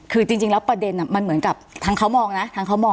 คือจริงแล้วประเด็นมันเหมือนกับทั้งเขามองนะทั้งเขามอง